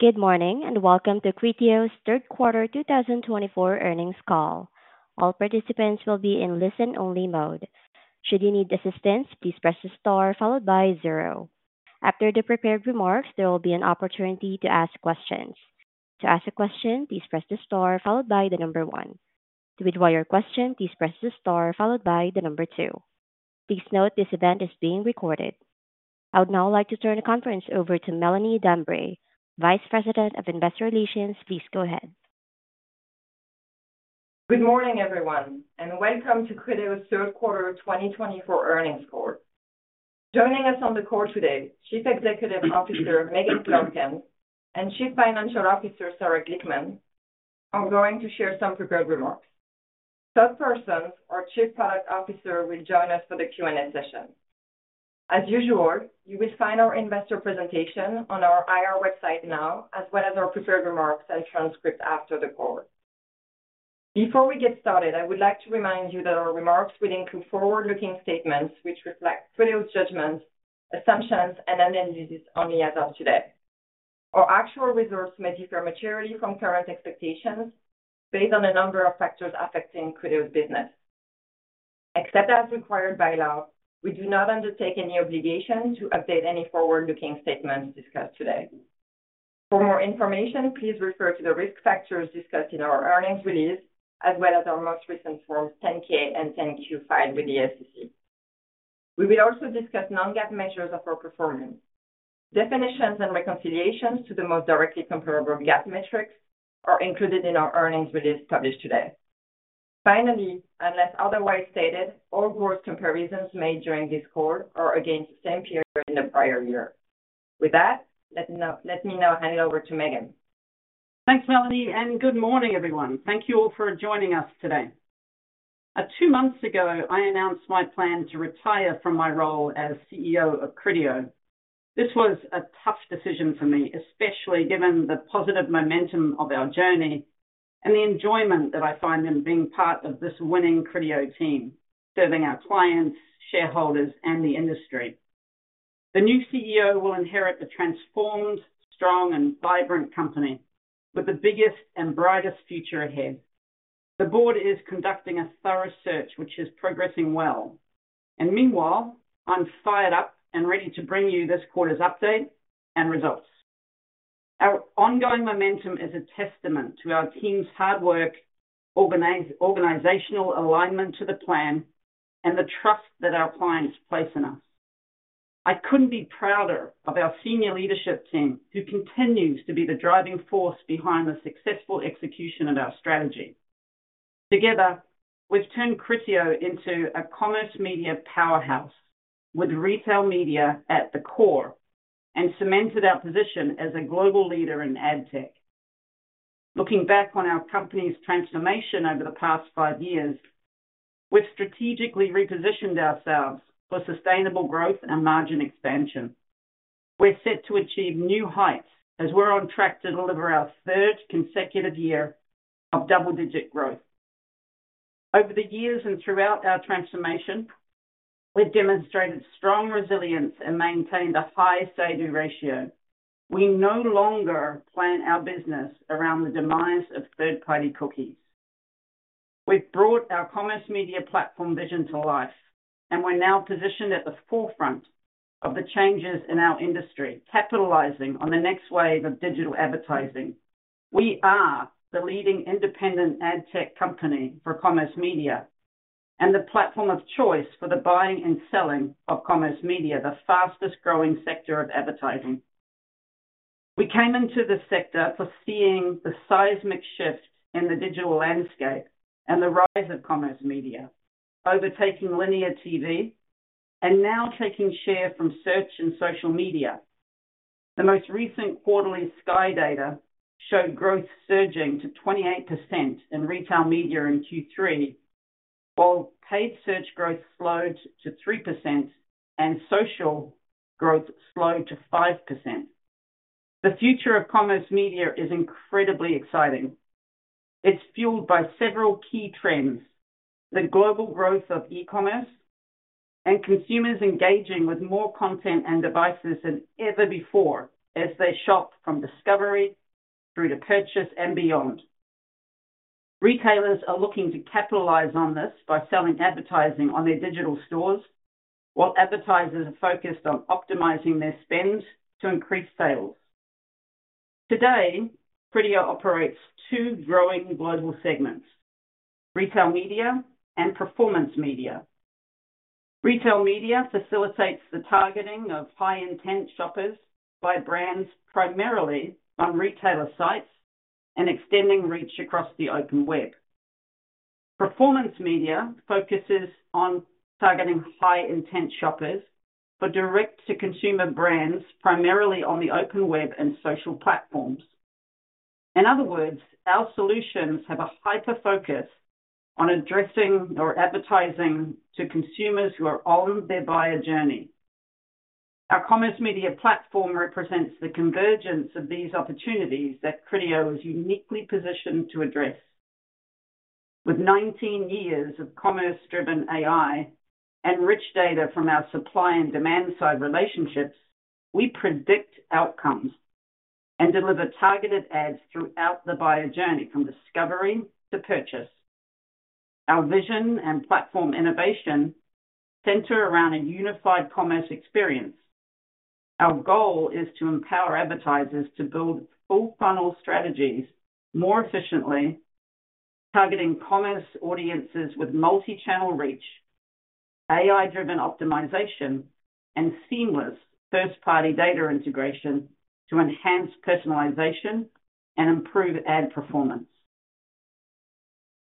Good morning and welcome to Criteo's third quarter 2024 earnings call. All participants will be in listen-only mode. Should you need assistance, please press the star followed by zero. After the prepared remarks, there will be an opportunity to ask questions. To ask a question, please press the star followed by the number one. To inquire a question, please press the star followed by the number two. Please note this event is being recorded. I would now like to turn the conference over to Melanie Dambre, Vice President of Investor Relations. Please go ahead. Good morning, everyone, and welcome to Criteo's third quarter 2024 earnings call. Joining us on the call today, Chief Executive Officer Megan Clarken and Chief Financial Officer Sarah Glickman, who are going to share some prepared remarks. Todd Parsons, our Chief Product Officer, will join us for the Q&A session. As usual, you will find our investor presentation on our IR website now, as well as our prepared remarks and transcript after the call. Before we get started, I would like to remind you that our remarks will include forward-looking statements which reflect Criteo's judgments, assumptions, and analysis only as of today. Our actual results may differ materially from current expectations based on a number of factors affecting Criteo's business. Except as required by law, we do not undertake any obligation to update any forward-looking statements discussed today. For more information, please refer to the risk factors discussed in our earnings release, as well as our most recent Forms 10-K and 10-Q filed with the SEC. We will also discuss non-GAAP measures of our performance. Definitions and reconciliations to the most directly comparable GAAP metrics are included in our earnings release published today. Finally, unless otherwise stated, all growth comparisons made during this call are against the same period in the prior year. With that, let me now hand it over to Megan. Thanks, Melanie, and good morning, everyone. Thank you all for joining us today. Two months ago, I announced my plan to retire from my role as CEO of Criteo. This was a tough decision for me, especially given the positive momentum of our journey and the enjoyment that I find in being part of this winning Criteo team, serving our clients, shareholders, and the industry. The new CEO will inherit a transformed, strong, and vibrant company with the biggest and brightest future ahead. The board is conducting a thorough search, which is progressing well, and meanwhile, I'm fired up and ready to bring you this quarter's update and results. Our ongoing momentum is a testament to our team's hard work, organizational alignment to the plan, and the trust that our clients place in us. I couldn't be prouder of our senior leadership team, who continues to be the driving force behind the successful execution of our strategy. Together, we've turned Criteo into a commerce media powerhouse with retail media at the core and cemented our position as a global leader in ad tech. Looking back on our company's transformation over the past five years, we've strategically repositioned ourselves for sustainable growth and margin expansion. We're set to achieve new heights as we're on track to deliver our third consecutive year of double-digit growth. Over the years and throughout our transformation, we've demonstrated strong resilience and maintained a high say-do ratio. We no longer plan our business around the demise of third-party cookies. We've brought our commerce media platform vision to life, and we're now positioned at the forefront of the changes in our industry, capitalizing on the next wave of digital advertising. We are the leading independent ad tech company for commerce media and the platform of choice for the buying and selling of commerce media, the fastest-growing sector of advertising. We came into the sector for seeing the seismic shift in the digital landscape and the rise of commerce media, overtaking linear TV and now taking share from search and social media. The most recent quarterly Skai data showed growth surging to 28% in retail media in Q3, while paid search growth slowed to 3% and social growth slowed to 5%. The future of commerce media is incredibly exciting. It's fueled by several key trends: the global growth of e-commerce and consumers engaging with more content and devices than ever before as they shop from discovery through to purchase and beyond. Retailers are looking to capitalize on this by selling advertising on their digital stores, while advertisers are focused on optimizing their spend to increase sales. Today, Criteo operates two growing global segments: retail media and performance media. Retail media facilitates the targeting of high-intent shoppers by brands primarily on retailer sites and extending reach across the open web. Performance media focuses on targeting high-intent shoppers for direct-to-consumer brands primarily on the open web and social platforms. In other words, our solutions have a hyper-focus on addressing or advertising to consumers who are on their buyer journey. Our commerce media platform represents the convergence of these opportunities that Criteo is uniquely positioned to address. With 19 years of commerce-driven AI and rich data from our supply and demand side relationships, we predict outcomes and deliver targeted ads throughout the buyer journey from discovery to purchase. Our vision and platform innovation center around a unified commerce experience. Our goal is to empower advertisers to build full-funnel strategies more efficiently, targeting commerce audiences with multichannel reach, AI-driven optimization, and seamless first-party data integration to enhance personalization and improve ad performance.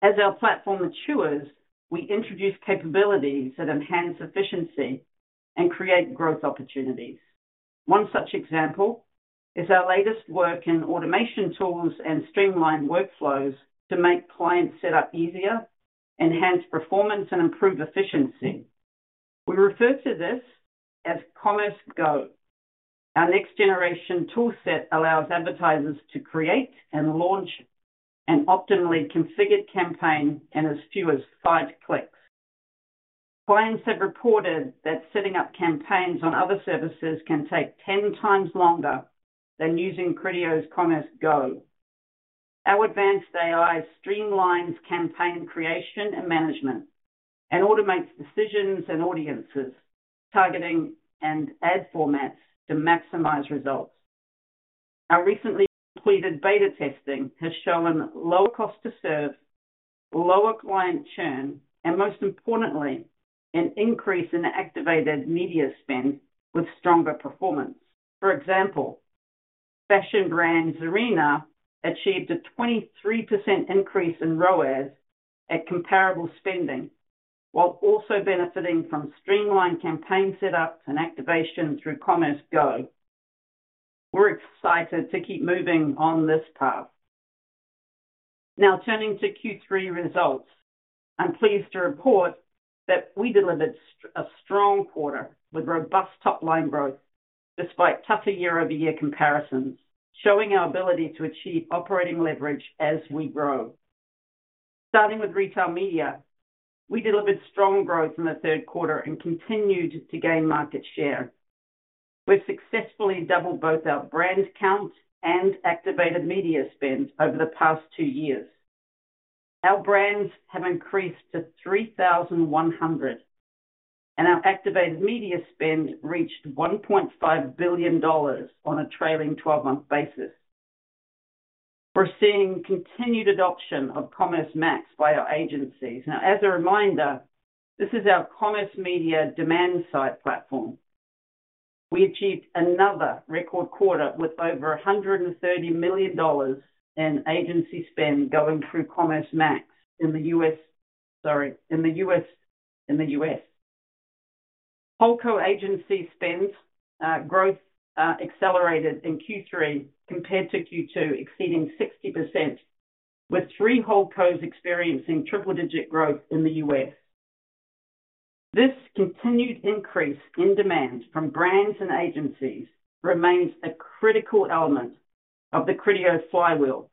As our platform matures, we introduce capabilities that enhance efficiency and create growth opportunities. One such example is our latest work in automation tools and streamlined workflows to make client setup easier, enhance performance, and improve efficiency. We refer to this as Commerce Go. Our next-generation toolset allows advertisers to create and launch an optimally configured campaign in as few as five clicks. Clients have reported that setting up campaigns on other services can take 10 times longer than using Criteo's Commerce Go. Our advanced AI streamlines campaign creation and management and automates decisions and audiences, targeting and ad formats to maximize results. Our recently completed beta testing has shown lower cost to serve, lower client churn, and most importantly, an increase in activated media spend with stronger performance. For example, fashion brand Zarina achieved a 23% increase in ROAS at comparable spending, while also benefiting from streamlined campaign setups and activation through Commerce Go. We're excited to keep moving on this path. Now, turning to Q3 results, I'm pleased to report that we delivered a strong quarter with robust top-line growth despite tougher year-over-year comparisons, showing our ability to achieve operating leverage as we grow. Starting with retail media, we delivered strong growth in the third quarter and continued to gain market share. We've successfully doubled both our brand count and activated media spend over the past two years. Our brands have increased to 3,100, and our activated media spend reached $1.5 billion on a trailing 12-month basis. We're seeing continued adoption of Commerce Max by our agencies. Now, as a reminder, this is our commerce media demand-side platform. We achieved another record quarter with over $130 million in agency spend going through Commerce Max in the U.S. Holdco agency spend growth accelerated in Q3 compared to Q2, exceeding 60%, with three Holdcos experiencing triple-digit growth in the U.S. This continued increase in demand from brands and agencies remains a critical element of the Criteo flywheel,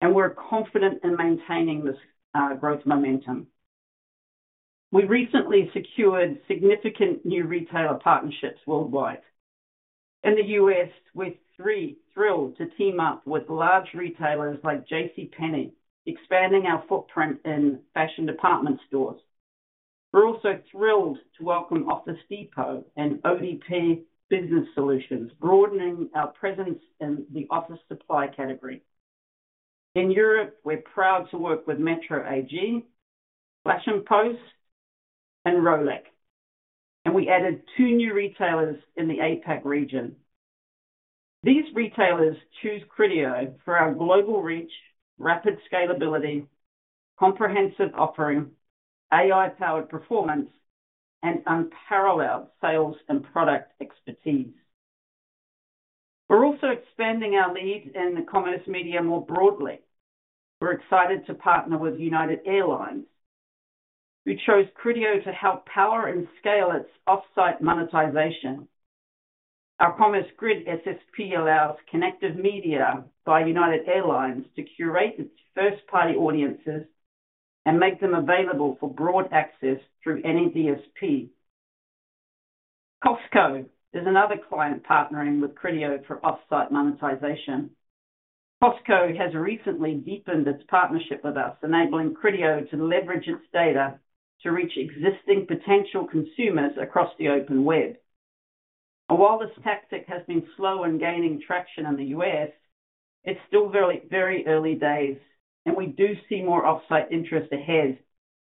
and we're confident in maintaining this growth momentum. We recently secured significant new retailer partnerships worldwide. In the U.S., we're thrilled to team up with large retailers like J.C. Penney, expanding our footprint in fashion department stores. We're also thrilled to welcome Office Depot and ODP Business Solutions, broadening our presence in the office supply category. In Europe, we're proud to work with Metro AG, Fashionette, and Rolex, and we added two new retailers in the APAC region. These retailers choose Criteo for our global reach, rapid scalability, comprehensive offering, AI-powered performance, and unparalleled sales and product expertise. We're also expanding our leads in the commerce media more broadly. We're excited to partner with United Airlines, who chose Criteo to help power and scale its offsite monetization. Our Commerce Grid SSP allows Kinective Media by United Airlines to curate its first-party audiences and make them available for broad access through any DSP. Costco is another client partnering with Criteo for offsite monetization. Costco has recently deepened its partnership with us, enabling Criteo to leverage its data to reach existing potential consumers across the open web. While this tactic has been slow in gaining traction in the U.S., it's still very, very early days, and we do see more offsite interest ahead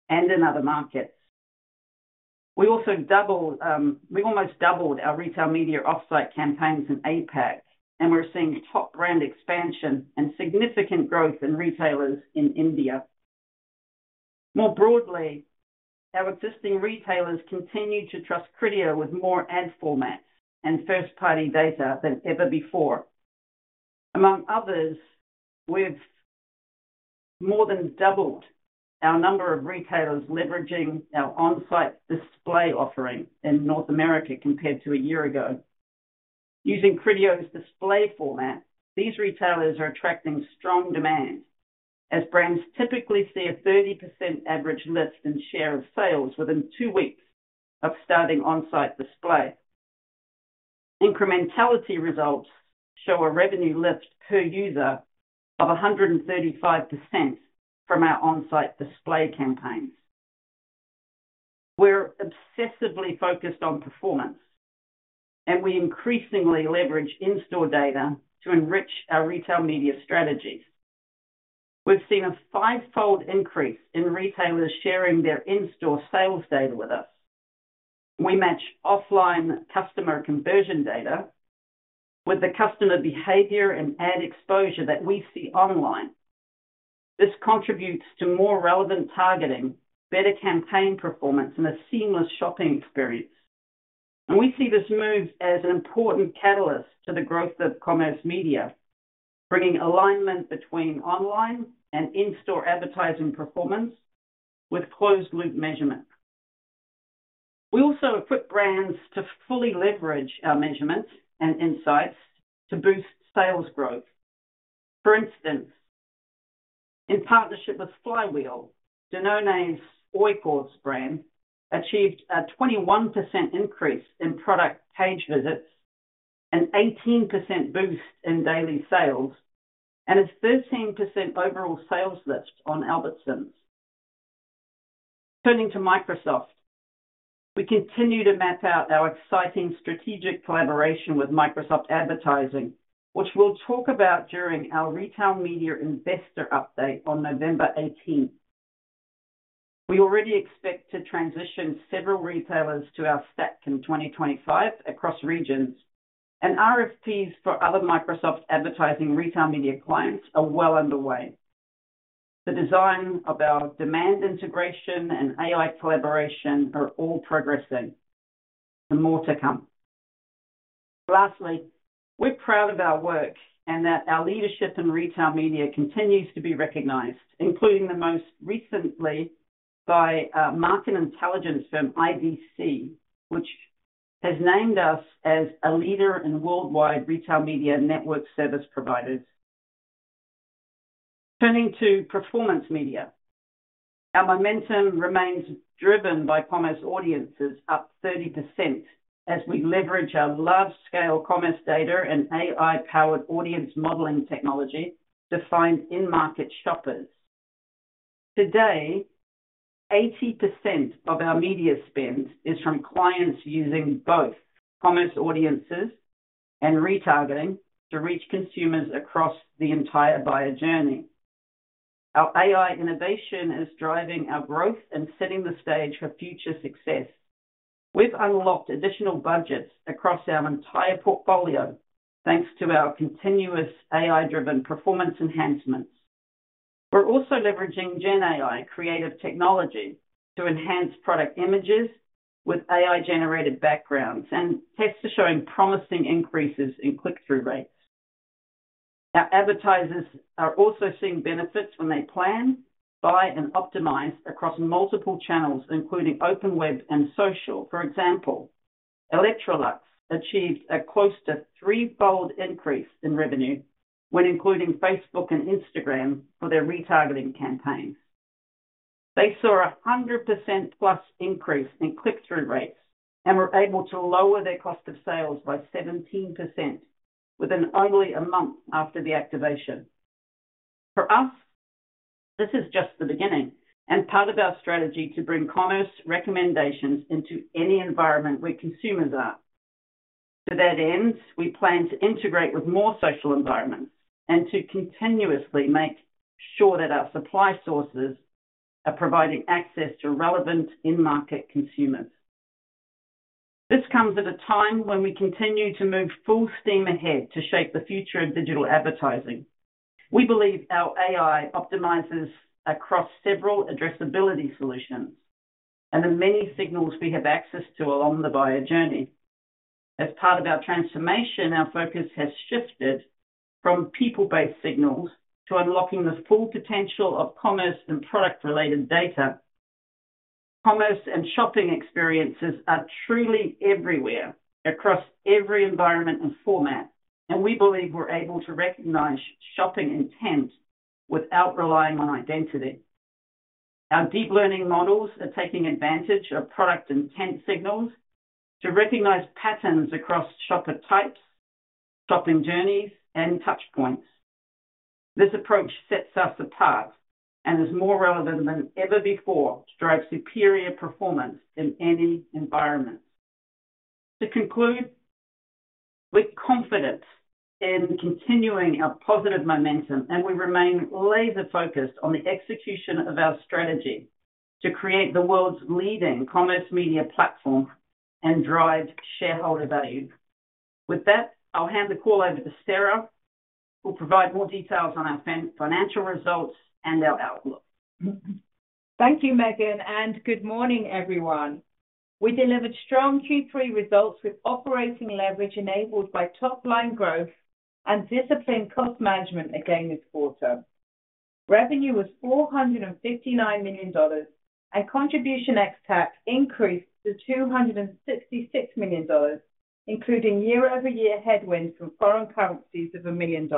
and in other markets. We also doubled, we almost doubled our retail media offsite campaigns in APAC, and we're seeing top-brand expansion and significant growth in retailers in India. More broadly, our existing retailers continue to trust Criteo with more ad formats and first-party data than ever before. Among others, we've more than doubled our number of retailers leveraging our onsite display offering in North America compared to a year ago. Using Criteo's display format, these retailers are attracting strong demand as brands typically see a 30% average lift in share of sales within two weeks of starting onsite display. Incrementality results show a revenue lift per user of 135% from our onsite display campaigns. We're obsessively focused on performance, and we increasingly leverage in-store data to enrich our retail media strategies. We've seen a five-fold increase in retailers sharing their in-store sales data with us. We match offline customer conversion data with the customer behavior and ad exposure that we see online. This contributes to more relevant targeting, better campaign performance, and a seamless shopping experience, and we see this move as an important catalyst to the growth of commerce media, bringing alignment between online and in-store advertising performance with closed-loop measurement. We also equip brands to fully leverage our measurements and insights to boost sales growth. For instance, in partnership with Flywheel, Danone's Oikos brand achieved a 21% increase in product page visits, an 18% boost in daily sales, and a 13% overall sales lift on Albertsons. Turning to Microsoft, we continue to map out our exciting strategic collaboration with Microsoft Advertising, which we'll talk about during our retail media investor update on November 18th. We already expect to transition several retailers to our stack in 2025 across regions, and RFPs for other Microsoft Advertising retail media clients are well underway. The design of our demand integration and AI collaboration are all progressing. There's more to come. Lastly, we're proud of our work and that our leadership in retail media continues to be recognized, including most recently by a market intelligence firm, IDC, which has named us as a leader in worldwide retail media network service providers. Turning to performance media, our momentum remains driven by commerce audiences, up 30%, as we leverage our large-scale commerce data and AI-powered audience modeling technology to find in-market shoppers. Today, 80% of our media spend is from clients using both commerce audiences and retargeting to reach consumers across the entire buyer journey. Our AI innovation is driving our growth and setting the stage for future success. We've unlocked additional budgets across our entire portfolio thanks to our continuous AI-driven performance enhancements. We're also leveraging GenAI creative technology to enhance product images with AI-generated backgrounds, and tests are showing promising increases in click-through rates. Our advertisers are also seeing benefits when they plan, buy, and optimize across multiple channels, including open web and social. For example, Electrolux achieved a close to three-fold increase in revenue when including Facebook and Instagram for their retargeting campaigns. They saw a 100% plus increase in click-through rates and were able to lower their cost of sales by 17% within only a month after the activation. For us, this is just the beginning and part of our strategy to bring commerce recommendations into any environment where consumers are. To that end, we plan to integrate with more social environments and to continuously make sure that our supply sources are providing access to relevant in-market consumers. This comes at a time when we continue to move full steam ahead to shape the future of digital advertising. We believe our AI optimizes across several addressability solutions and the many signals we have access to along the buyer journey. As part of our transformation, our focus has shifted from people-based signals to unlocking the full potential of commerce and product-related data. Commerce and shopping experiences are truly everywhere across every environment and format, and we believe we're able to recognize shopping intent without relying on identity. Our deep learning models are taking advantage of product intent signals to recognize patterns across shopper types, shopping journeys, and touchpoints. This approach sets us apart and is more relevant than ever before to drive superior performance in any environment. To conclude, we're confident in continuing our positive momentum, and we remain laser-focused on the execution of our strategy to create the world's leading commerce media platform and drive shareholder value. With that, I'll hand the call over to Sarah, who will provide more details on our financial results and our outlook. Thank you, Megan, and good morning, everyone. We delivered strong Q3 results with operating leverage enabled by top-line growth and disciplined cost management again this quarter. Revenue was $459 million, and Contribution ex-TAC increased to $266 million, including year-over-year headwinds from foreign currencies of $1 million.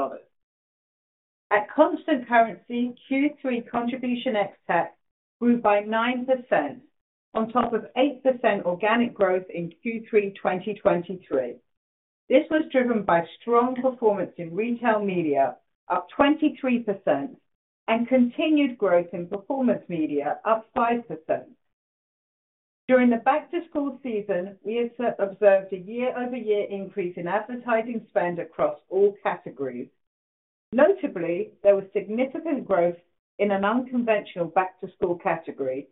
At constant currency, Q3 contribution ex tax grew by 9% on top of 8% organic growth in Q3 2023. This was driven by strong performance in retail media, up 23%, and continued growth in performance media, up 5%. During the back-to-school season, we observed a year-over-year increase in advertising spend across all categories. Notably, there was significant growth in an unconventional back-to-school category.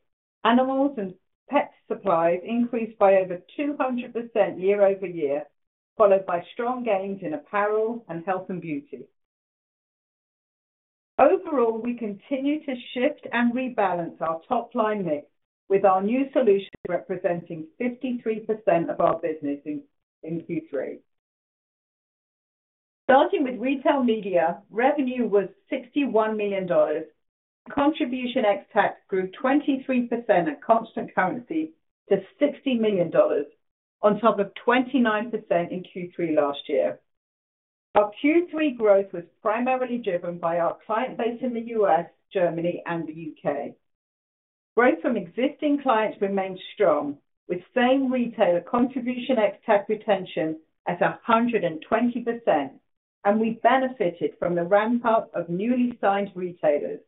Animals and pet supplies increased by over 200% year-over-year, followed by strong gains in apparel and health and beauty. Overall, we continue to shift and rebalance our top-line mix with our new solution representing 53% of our business in Q3. Starting with retail media, revenue was $61 million. Contribution ex tax grew 23% at constant currency to $60 million on top of 29% in Q3 last year. Our Q3 growth was primarily driven by our client base in the U.S., Germany, and the U.K. Growth from existing clients remained strong, with same retailer Contribution ex-TAC retention at 120%, and we benefited from the ramp-up of newly signed retailers.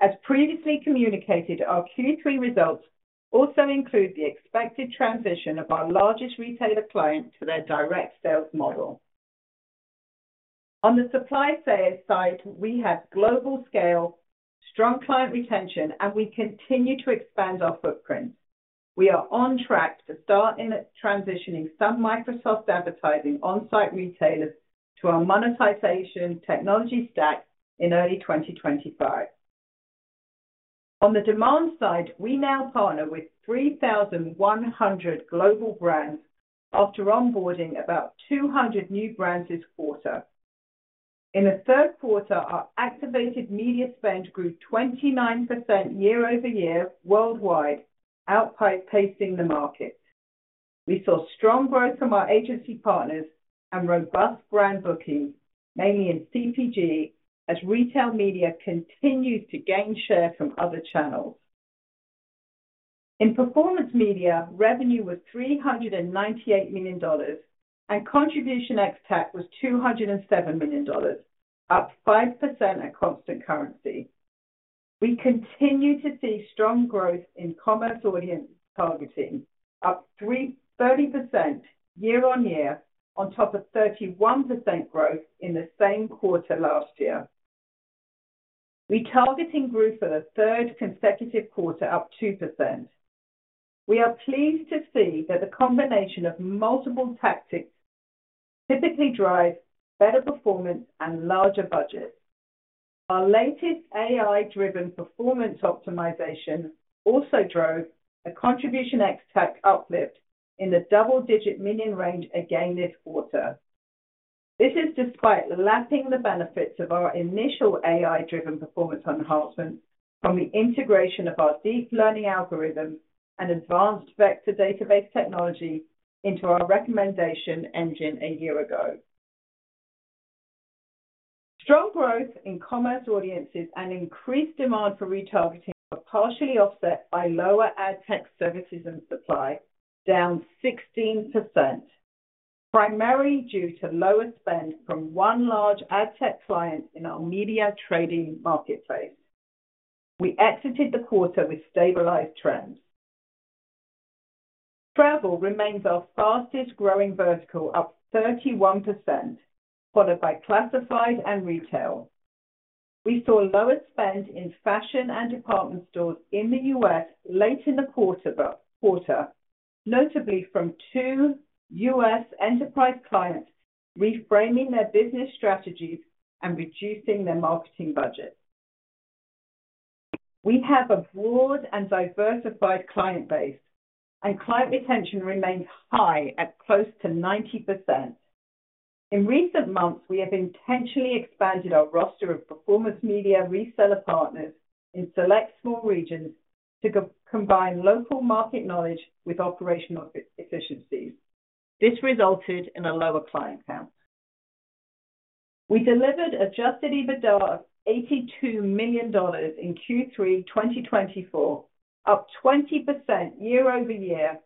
As previously communicated, our Q3 results also include the expected transition of our largest retailer client to their direct sales model. On the supply-side, we have global scale, strong client retention, and we continue to expand our footprint. We are on track to start transitioning some Microsoft Advertising onsite retailers to our monetization technology stack in early 2025. On the demand side, we now partner with 3,100 global brands after onboarding about 200 new brands this quarter. In the third quarter, our activated media spend grew 29% year-over-year worldwide, outpacing the market. We saw strong growth from our agency partners and robust brand booking, mainly in CPG, as retail media continues to gain share from other channels. In performance media, revenue was $398 million, and Contribution ex-TAC was $207 million, up 5% at constant currency. We continue to see strong growth in commerce audience targeting, up 30% year-on-year on top of 31% growth in the same quarter last year. Retargeting grew for the third consecutive quarter, up 2%. We are pleased to see that the combination of multiple tactics typically drives better performance and larger budgets. Our latest AI-driven performance optimization also drove a Contribution ex-TAC uplift in the double-digit million range again this quarter. This is despite lapping the benefits of our initial AI-driven performance enhancement from the integration of our deep learning algorithm and advanced vector database technology into our recommendation engine a year ago. Strong growth in commerce audiences and increased demand for retargeting were partially offset by lower ad tech services and supply, down 16%, primarily due to lower spend from one large ad tech client in our media trading marketplace. We exited the quarter with stabilized trends. Travel remains our fastest-growing vertical, up 31%, followed by classified and retail. We saw lower spend in fashion and department stores in the U.S. late in the quarter, notably from two U.S. enterprise clients reframing their business strategies and reducing their marketing budget. We have a broad and diversified client base, and client retention remains high at close to 90%. In recent months, we have intentionally expanded our roster of performance media reseller partners in select small regions to combine local market knowledge with operational efficiencies. This resulted in a lower client count. We delivered Adjusted EBITDA of $82 million in Q3 2024, up 20% year-over-year,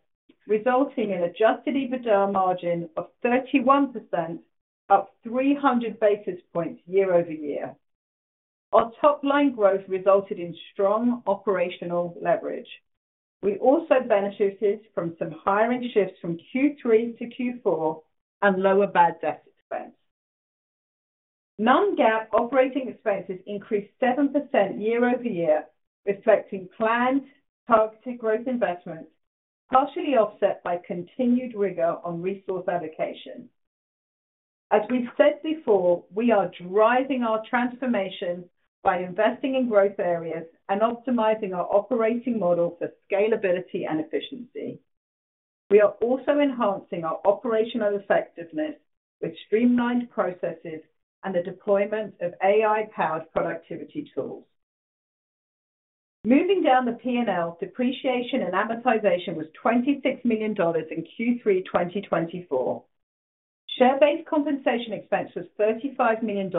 resulting in Adjusted EBITDA margin of 31%, up 300 basis points year-over-year. Our top-line growth resulted in strong operational leverage. We also benefited from some hiring shifts from Q3 to Q4 and lower bad debt expense. Non-GAAP operating expenses increased 7% year-over-year, reflecting planned targeted growth investments, partially offset by continued rigor on resource allocation. As we said before, we are driving our transformation by investing in growth areas and optimizing our operating model for scalability and efficiency. We are also enhancing our operational effectiveness with streamlined processes and the deployment of AI-powered productivity tools. Moving down the P&L, depreciation and amortization was $26 million in Q3 2024. Share-based compensation expense was $35 million,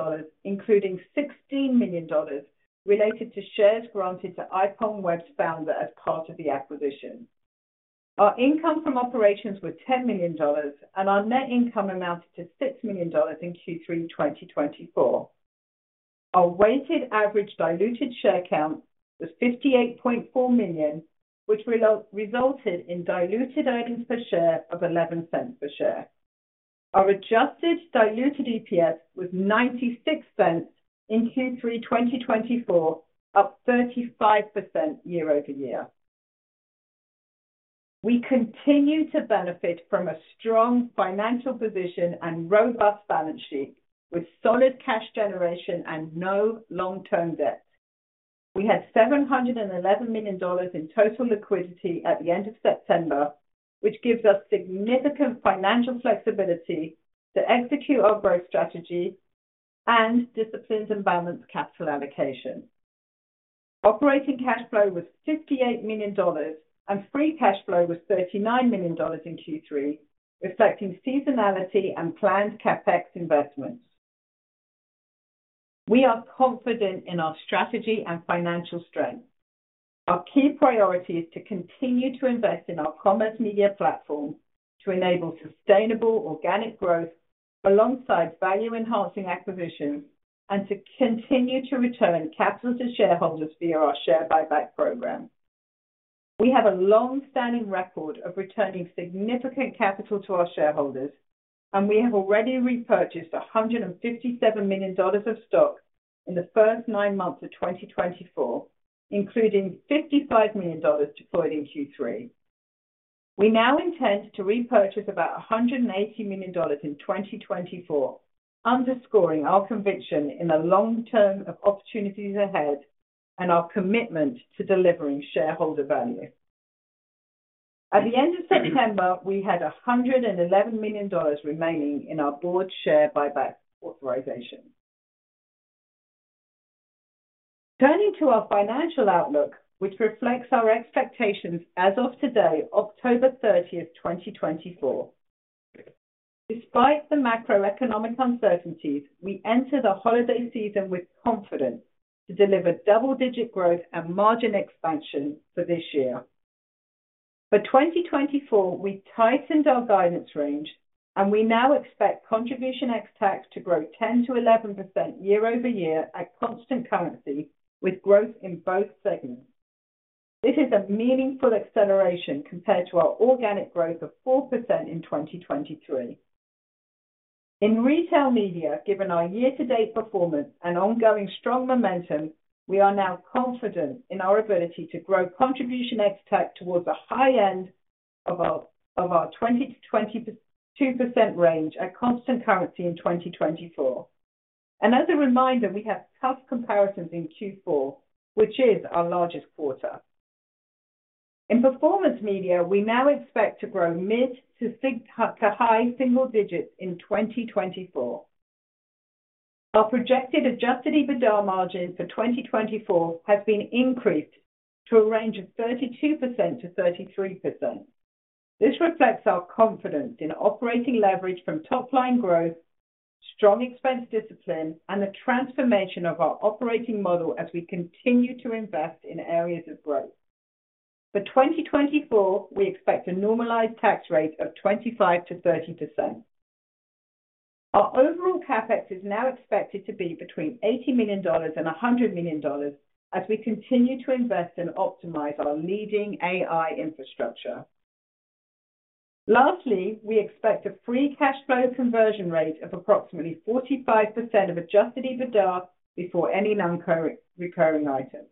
including $16 million related to shares granted to IPONWEB's founder as part of the acquisition. Our income from operations was $10 million, and our net income amounted to $6 million in Q3 2024. Our weighted average diluted share count was 58.4 million, which resulted in diluted earnings per share of $0.11 per share. Our adjusted diluted EPS was $0.96 in Q3 2024, up 35% year-over-year. We continue to benefit from a strong financial position and robust balance sheet, with solid cash generation and no long-term debt. We had $711 million in total liquidity at the end of September, which gives us significant financial flexibility to execute our growth strategy and disciplined and balanced capital allocation. Operating cash flow was $58 million, and free cash flow was $39 million in Q3, reflecting seasonality and planned CapEx investments. We are confident in our strategy and financial strength. Our key priority is to continue to invest in our commerce media platform to enable sustainable organic growth alongside value-enhancing acquisitions and to continue to return capital to shareholders via our share buyback program. We have a long-standing record of returning significant capital to our shareholders, and we have already repurchased $157 million of stock in the first nine months of 2024, including $55 million deployed in Q3. We now intend to repurchase about $180 million in 2024, underscoring our conviction in the long term of opportunities ahead and our commitment to delivering shareholder value. At the end of September, we had $111 million remaining in our board share buyback authorization. Turning to our financial outlook, which reflects our expectations as of today, October 30, 2024. Despite the macroeconomic uncertainties, we enter the holiday season with confidence to deliver double-digit growth and margin expansion for this year. For 2024, we tightened our guidance range, and we now expect contribution ex-TAC to grow 10%-11% year-over-year at constant currency, with growth in both segments. This is a meaningful acceleration compared to our organic growth of 4% in 2023. In retail media, given our year-to-date performance and ongoing strong momentum, we are now confident in our ability to grow contribution ex-TAC towards the high end of our 20%-22% range at constant currency in 2024. And as a reminder, we have tough comparisons in Q4, which is our largest quarter. In performance media, we now expect to grow mid to high single digits in 2024. Our projected Adjusted EBITDA margin for 2024 has been increased to a range of 32%-33%. This reflects our confidence in operating leverage from top-line growth, strong expense discipline, and the transformation of our operating model as we continue to invest in areas of growth. For 2024, we expect a normalized tax rate of 25%-30%. Our overall CapEx is now expected to be between $80 million and $100 million as we continue to invest and optimize our leading AI infrastructure. Lastly, we expect a free cash flow conversion rate of approximately 45% of Adjusted EBITDA before any non-recurring items.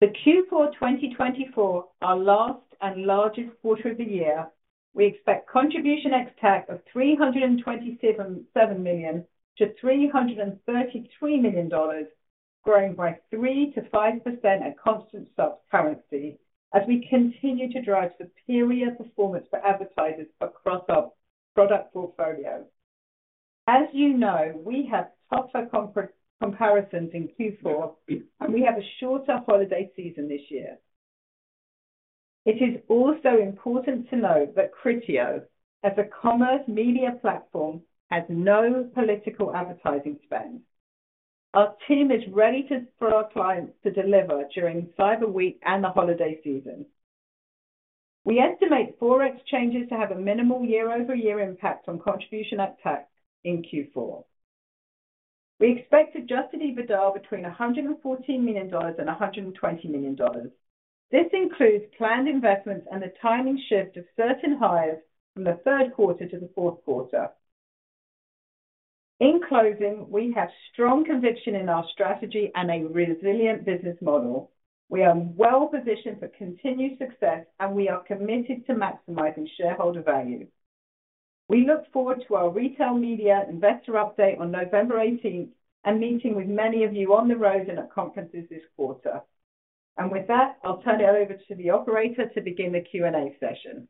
For Q4 2024, our last and largest quarter of the year, we expect Contribution ex-TAC of $327 million-$333 million, growing by 3%-5% at constant currency as we continue to drive superior performance for advertisers across our product portfolio. As you know, we have tougher comparisons in Q4, and we have a shorter holiday season this year. It is also important to note that Criteo, as a Commerce Media Platform, has no political advertising spend. Our team is ready for our clients to deliver during Cyber Week and the holiday season. We estimate Forex changes to have a minimal year-over-year impact on contribution ex-TAC in Q4. We expect Adjusted EBITDA between $114 million-$120 million. This includes planned investments and the timing shift of certain hires from the third quarter to the fourth quarter. In closing, we have strong conviction in our strategy and a resilient business model. We are well-positioned for continued success, and we are committed to maximizing shareholder value. We look forward to our retail media investor update on November 18 and meeting with many of you on the road and at conferences this quarter. And with that, I'll turn it over to the operator to begin the Q&A session.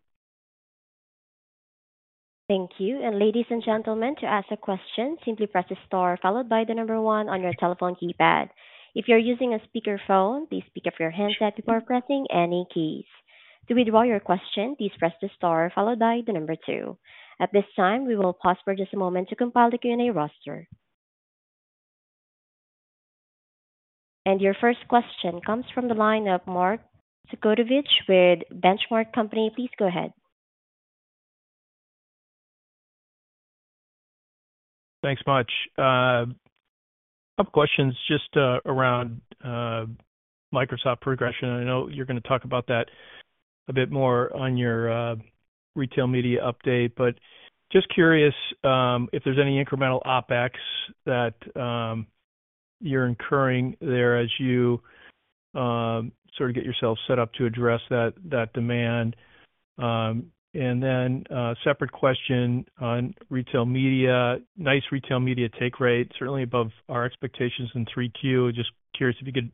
Thank you. Ladies and gentlemen, to ask a question, simply press the star followed by the number one on your telephone keypad. If you're using a speakerphone, please pick up your handset before pressing any keys. To withdraw your question, please press the star followed by the number two. At this time, we will pause for just a moment to compile the Q&A roster. And your first question comes from the line of Mark Zgutowicz with Benchmark Company. Please go ahead. Thanks much. A couple of questions just around Microsoft progression. I know you're going to talk about that a bit more on your retail media update, but just curious if there's any incremental OpEx that you're incurring there as you sort of get yourself set up to address that demand. And then a separate question on retail media, nice retail media take rate, certainly above our expectations in 3Q. Just curious if you could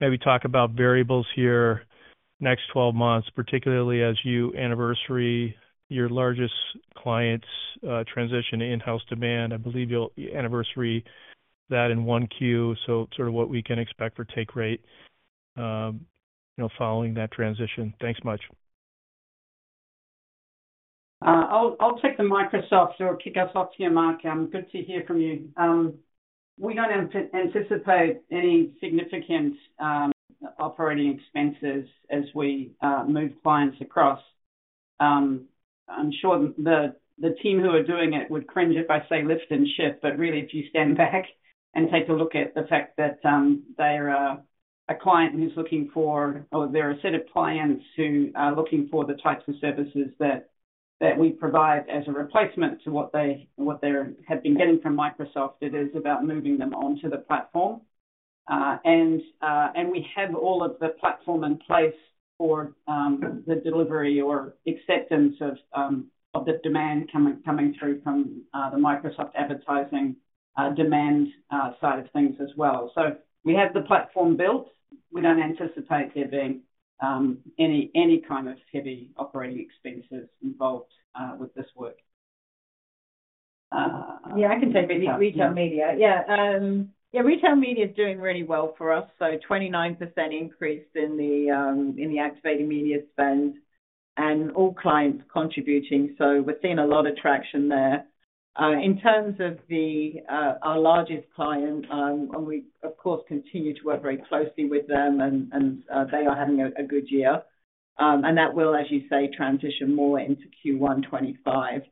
maybe talk about variables here next 12 months, particularly as you anniversary your largest client's transition to in-house demand. I believe you'll anniversary that in Q1, so sort of what we can expect for take rate following that transition. Thanks much. I'll take the mic to kick us off here, Mark. I'm good to hear from you. We don't anticipate any significant operating expenses as we move clients across. I'm sure the team who are doing it would cringe if I say lift and shift, but really, if you stand back and take a look at the fact that they are a client who's looking for, or they're a set of clients who are looking for the types of services that we provide as a replacement to what they had been getting from Microsoft, it is about moving them onto the platform. We have all of the platform in place for the delivery or acceptance of the demand coming through from the Microsoft advertising demand side of things as well. We have the platform built. We don't anticipate there being any kind of heavy operating expenses involved with this work. Yeah, I can take that. Retail media. Yeah. Yeah, retail media is doing really well for us. 29% increase in the activated media spend and all clients contributing. We're seeing a lot of traction there. In terms of our largest client, and we, of course, continue to work very closely with them, and they are having a good year. That will, as you say, transition more into Q1 2025.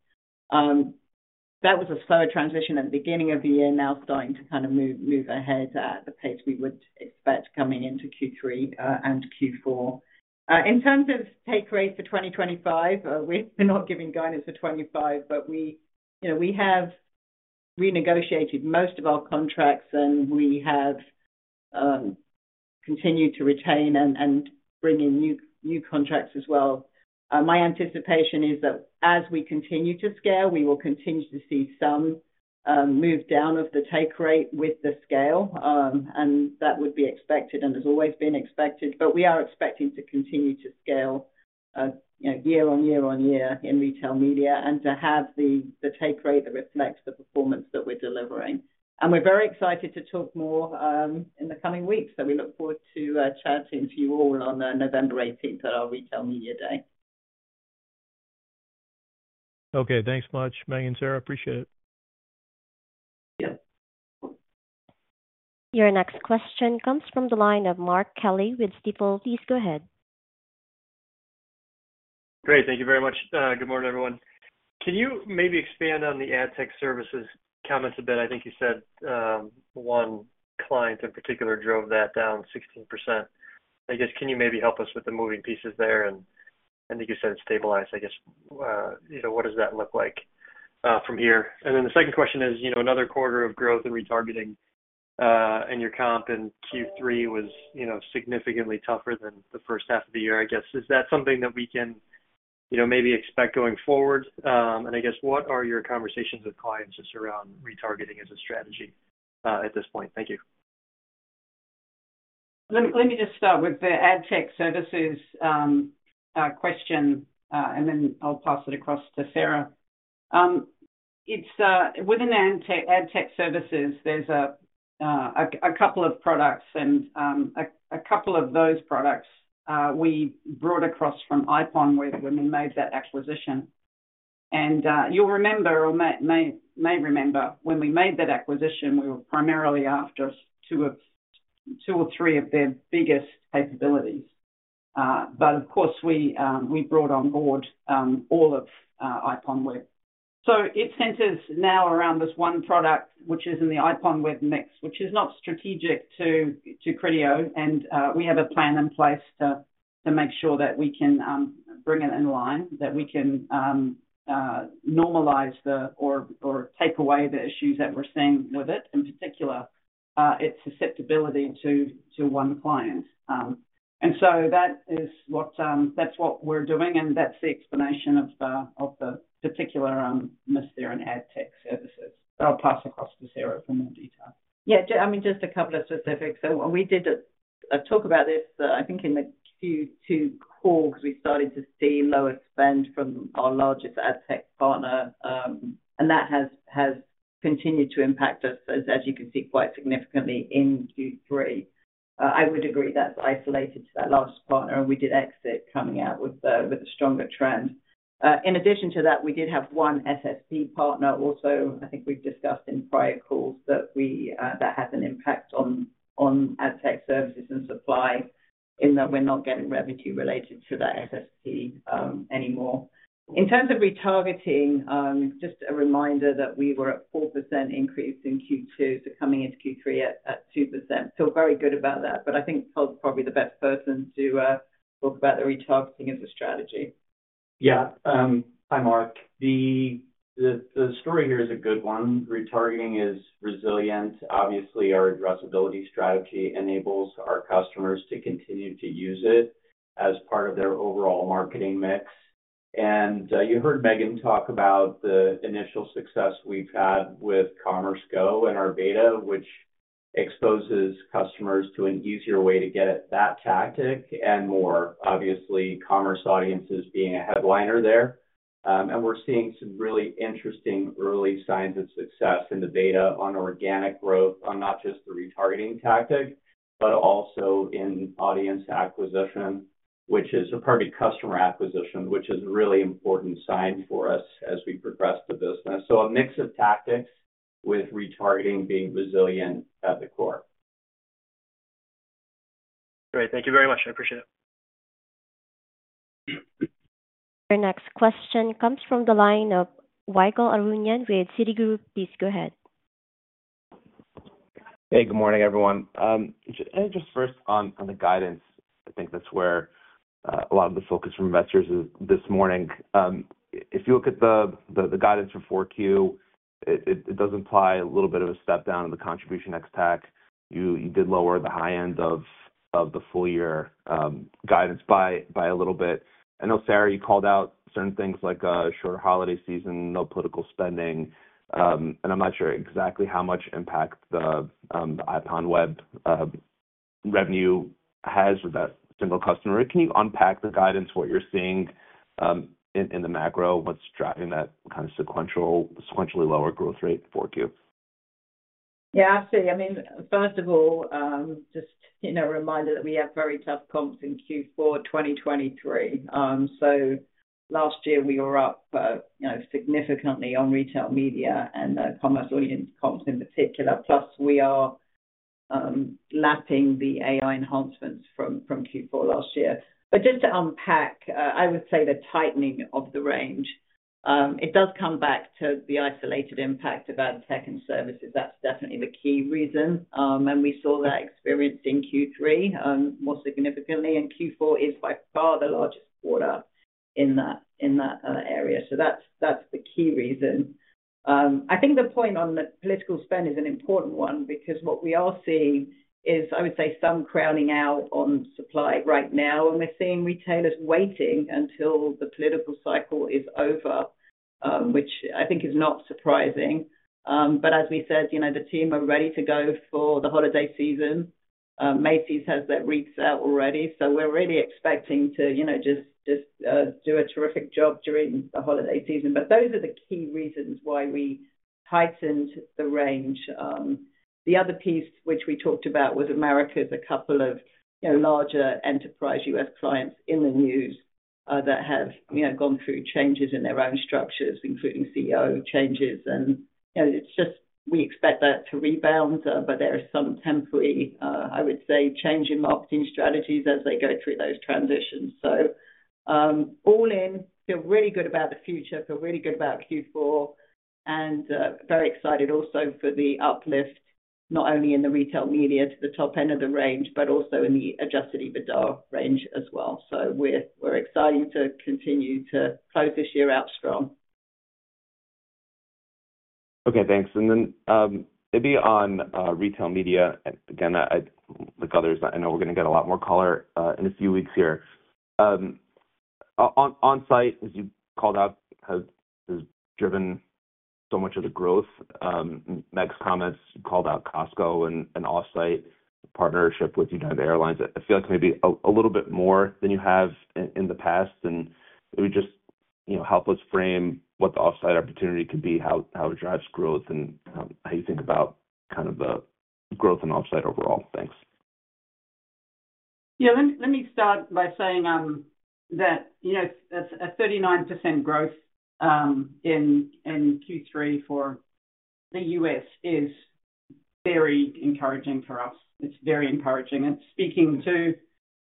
That was a slower transition at the beginning of the year, now starting to kind of move ahead at the pace we would expect coming into Q3 and Q4. In terms of take rate for 2025, we're not giving guidance for 2025, but we have renegotiated most of our contracts, and we have continued to retain and bring in new contracts as well. My anticipation is that as we continue to scale, we will continue to see some move down of the take rate with the scale, and that would be expected and has always been expected. But we are expecting to continue to scale year on year on year in retail media and to have the take rate that reflects the performance that we're delivering. And we're very excited to talk more in the coming weeks. So we look forward to chatting to you all on November 18 at our retail media day. Okay. Thanks much, Megan, Sarah. Appreciate it. Your next question comes from the line of Mark Kelley with Stifel. Please go ahead. Great. Thank you very much. Good morning, everyone. Can you maybe expand on the ad tech services comments a bit? I think you said one client in particular drove that down 16%. I guess, can you maybe help us with the moving pieces there? And I think you said it's stabilized. I guess, what does that look like from here? And then the second question is another quarter of growth and retargeting in your comp in Q3 was significantly tougher than the first half of the year, I guess. Is that something that we can maybe expect going forward? I guess, what are your conversations with clients just around retargeting as a strategy at this point? Thank you. Let me just start with the ad tech services question, and then I'll pass it across to Sarah. Within ad tech services, there's a couple of products, and a couple of those products we brought across from IPONWEB, when we made that acquisition. And you'll remember, or may remember, when we made that acquisition, we were primarily after two or three of their biggest capabilities. But of course, we brought on board all of IPONWEB. It centers now around this one product, which is in the IPONWEB mix, which is not strategic to Criteo, and we have a plan in place to make sure that we can bring it in line, that we can normalize or take away the issues that we're seeing with it, in particular its susceptibility to one client. And so that's what we're doing, and that's the explanation of the particular miss there in ad tech services. But I'll pass across to Sarah for more detail. Yeah, I mean, just a couple of specifics. We did talk about this, I think, in the Q2 call because we started to see lower spend from our largest ad tech partner, and that has continued to impact us, as you can see, quite significantly in Q3. I would agree that's isolated to that largest partner, and we did exit coming out with a stronger trend. In addition to that, we did have one SSP partner also. I think we've discussed in prior calls that that has an impact on ad tech services and supply in that we're not getting revenue related to that SSP anymore. In terms of retargeting, just a reminder that we were at 4% increase in Q2, so coming into Q3 at 2%. Feel very good about that, but I think Todd's probably the best person to talk about the retargeting as a strategy. Yeah. Hi, Mark. The story here is a good one. Retargeting is resilient. Obviously, our addressability strategy enables our customers to continue to use it as part of their overall marketing mix. And you heard Megan talk about the initial success we've had with Commerce Go and our beta, which exposes customers to an easier way to get at that tactic and more, obviously, Commerce Audiences being a headliner there. And we're seeing some really interesting early signs of success in the beta on organic growth, on not just the retargeting tactic, but also in audience acquisition, which is a part of customer acquisition, which is a really important sign for us as we progress the business. So a mix of tactics with retargeting being resilient at the core. Great. Thank you very much. I appreciate it. Your next question comes from the line of Ygal Arounian with Citigroup. Please go ahead. Hey, good morning, everyone. Just first on the guidance, I think that's where a lot of the focus from investors is this morning. If you look at the guidance for 4Q, it does imply a little bit of a step down of the contribution ex tax. You did lower the high end of the full year guidance by a little bit. I know, Sarah, you called out certain things like a shorter holiday season, no political spending, and I'm not sure exactly how much impact the IPONWEB revenue has with that single customer. Can you unpack the guidance, what you're seeing in the macro, what's driving that kind of sequentially lower growth rate for Q? Yeah, absolutely. I mean, first of all, just a reminder that we have very tough comps in Q4 2023. So last year, we were up significantly on retail media and commerce audience comps in particular. Plus, we are lapping the AI enhancements from Q4 last year. But just to unpack, I would say the tightening of the range. It does come back to the isolated impact of ad tech and services. That's definitely the key reason. And we saw that experience in Q3 more significantly. And Q4 is by far the largest quarter in that area. So that's the key reason. I think the point on the political spend is an important one because what we are seeing is, I would say, some crowding out on supply right now, and we're seeing retailers waiting until the political cycle is over, which I think is not surprising. But as we said, the team are ready to go for the holiday season. Macy's has their ads out already. So we're really expecting to just do a terrific job during the holiday season. But those are the key reasons why we tightened the range. The other piece which we talked about was Albertsons and a couple of larger enterprise U.S. clients in the news that have gone through changes in their own structures, including CEO changes. And it's just we expect that to rebound, but there is some temporary, I would say, change in marketing strategies as they go through those transitions. So all in, feel really good about the future, feel really good about Q4, and very excited also for the uplift, not only in the retail media to the top end of the range, but also in the Adjusted EBITDA range as well. So we're excited to continue to close this year out strong. Okay. Thanks. And then maybe on retail media, again, like others, I know we're going to get a lot more color in a few weeks here. Onsite, as you called out, has driven so much of the growth. Meg's comments, you called out Costco and off-site partnership with United Airlines. I feel like maybe a little bit more than you have in the past. And maybe just help us frame what the off-site opportunity could be, how it drives growth, and how you think about kind of the growth and off-site overall. Thanks. Yeah. Let me start by saying that a 39% growth in Q3 for the U.S. is very encouraging for us. It's very encouraging. It's speaking to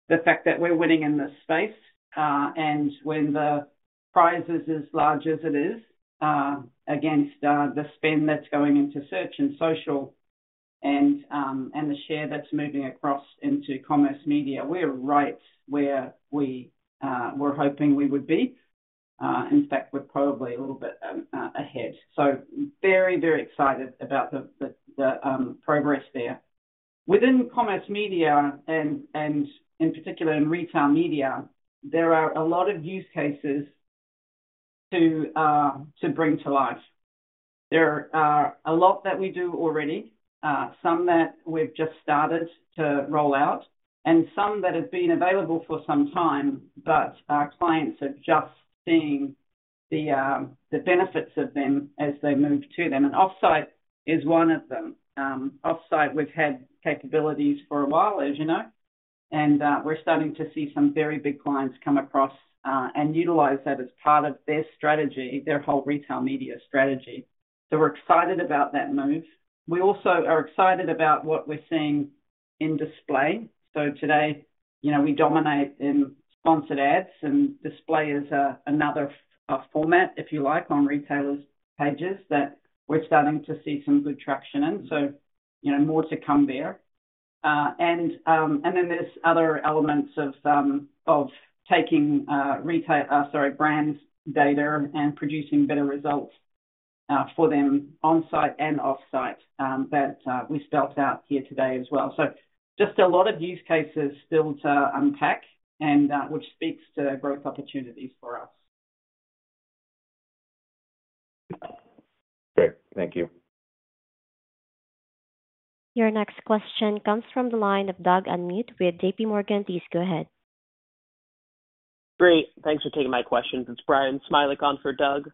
the fact that we're winning in this space. And when the prize is as large as it is against the spend that's going into search and social and the share that's moving across into commerce media, we're right where we were hoping we would be. In fact, we're probably a little bit ahead. So very, very excited about the progress there. Within commerce media, and in particular in retail media, there are a lot of use cases to bring to life. There are a lot that we do already, some that we've just started to roll out, and some that have been available for some time, but our clients are just seeing the benefits of them as they move to them. And off-site is one of them. Off-site, we've had capabilities for a while, as you know, and we're starting to see some very big clients come across and utilize that as part of their strategy, their whole retail media strategy. So we're excited about that move. We also are excited about what we're seeing in display. So today, we dominate in sponsored ads, and display is another format, if you like, on retailers' pages that we're starting to see some good traction in. So more to come there. Then there's other elements of taking brand data and producing better results for them on-site and off-site that we spelled out here today as well. So just a lot of use cases still to unpack, which speaks to growth opportunities for us. Great. Thank you. Your next question comes from the line of Doug Anmuth with JPMorgan. Please go ahead. Great. Thanks for taking my questions. It's Brian Smilek for Doug.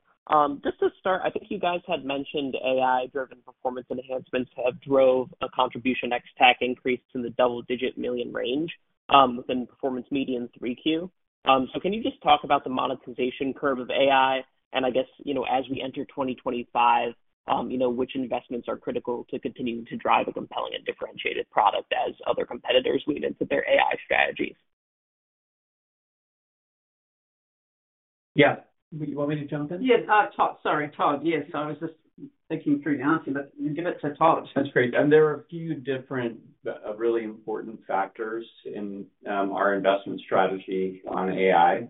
Just to start, I think you guys had mentioned AI-driven performance enhancements have drove a Contribution ex-TAC increase in the double-digit million range within Performance Media 3Q. So can you just talk about the monetization curve of AI? And I guess, as we enter 2025, which investments are critical to continue to drive a compelling and differentiated product as other competitors lean into their AI strategies? Yeah. You want me to jump in? Yeah. Sorry, Todd. Yes. I was just thinking through the answer, but give it to Todd. That's great. And there are a few different really important factors in our investment strategy on AI.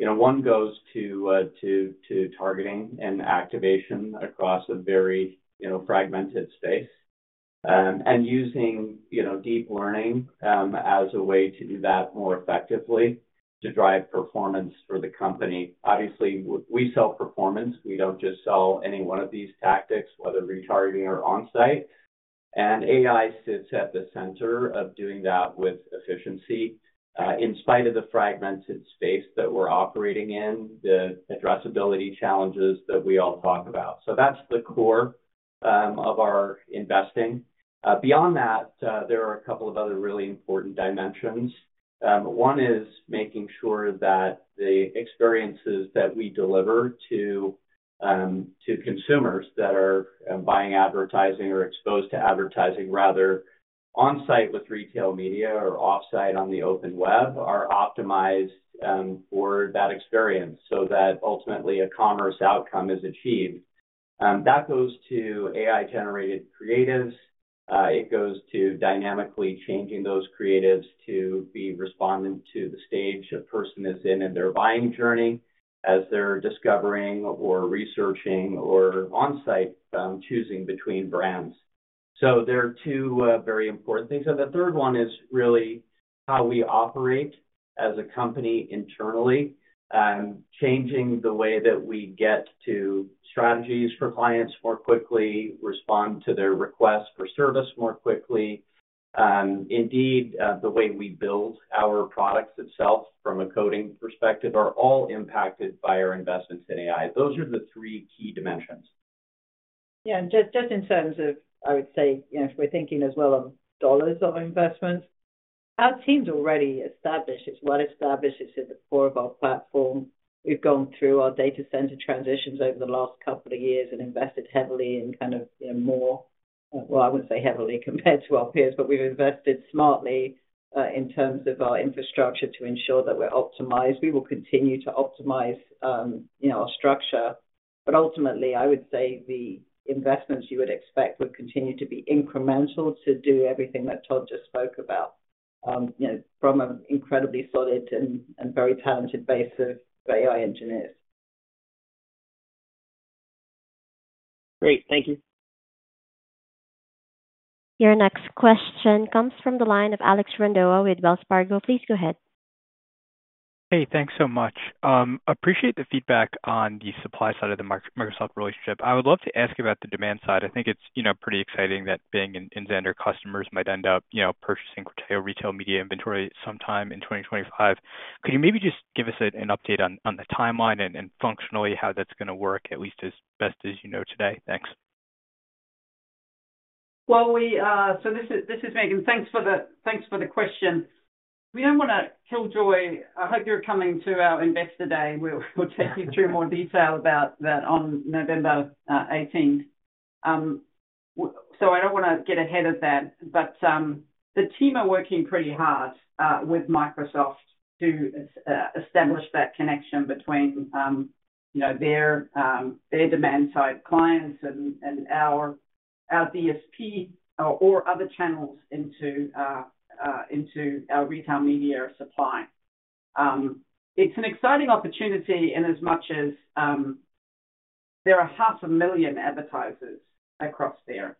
One goes to targeting and activation across a very fragmented space and using deep learning as a way to do that more effectively to drive performance for the company. Obviously, we sell performance. We don't just sell any one of these tactics, whether retargeting or on-site. And AI sits at the center of doing that with efficiency in spite of the fragmented space that we're operating in, the addressability challenges that we all talk about. So that's the core of our investing. Beyond that, there are a couple of other really important dimensions. One is making sure that the experiences that we deliver to consumers that are buying advertising or exposed to advertising either on-site with retail media or off-site on the open web are optimized for that experience so that ultimately a commerce outcome is achieved. That goes to AI-generated creatives. It goes to dynamically changing those creatives to be responsive to the stage a person is in their buying journey as they're discovering or researching or on-site choosing between brands. So there are two very important things. And the third one is really how we operate as a company internally, changing the way that we get to strategies for clients more quickly, respond to their requests for service more quickly. Indeed, the way we build our products itself from a coding perspective are all impacted by our investments in AI. Those are the three key dimensions. Yeah. Just in terms of, I would say, if we're thinking as well of dollars of investments, our team's already established. It's well established. It's at the core of our platform. We've gone through our data center transitions over the last couple of years and invested heavily in kind of more, well, I wouldn't say heavily compared to our peers, but we've invested smartly in terms of our infrastructure to ensure that we're optimized. We will continue to optimize our structure. But ultimately, I would say the investments you would expect would continue to be incremental to do everything that Todd just spoke about from an incredibly solid and very talented base of AI engineers. Great. Thank you. Your next question comes from the line of Alec Brondolo with Wells Fargo. Please go ahead. Hey, thanks so much. Appreciate the feedback on the supply side of the Microsoft relationship. I would love to ask about the demand side. I think it's pretty exciting that Bing and Xandr customers might end up purchasing retail media inventory sometime in 2025. Could you maybe just give us an update on the timeline and functionally how that's going to work, at least as best as you know today? Thanks. So this is Megan. Thanks for the question. We don't want to killjoy. I hope you're coming to our investor day. We'll take you through more detail about that on November 18th. I don't want to get ahead of that, but the team are working pretty hard with Microsoft to establish that connection between their demand-side clients and our DSP or other channels into our retail media supply. It's an exciting opportunity in as much as there are 500,000 advertisers across there.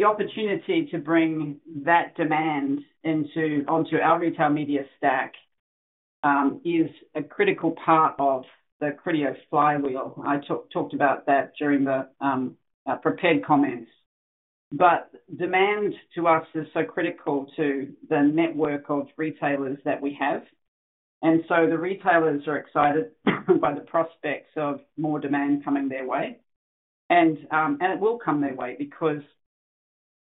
The opportunity to bring that demand onto our retail media stack is a critical part of the Criteo flywheel. I talked about that during the prepared comments. Demand to us is so critical to the network of retailers that we have. The retailers are excited by the prospects of more demand coming their way. It will come their way because